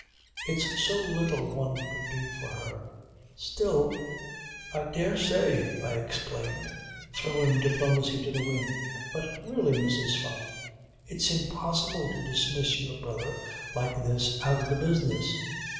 It's so little one could do for her. Still ..." "I dare say," I exclaimed, throwing diplomacy to the winds. "But really, Mrs. Fyne, it's impossible to dismiss your brother like this out of the business